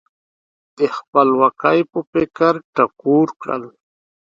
د خپلواکۍ په فکر ټکور کړل.